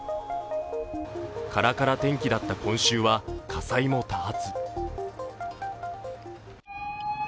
カラカラ天気だった今週は火災も多発。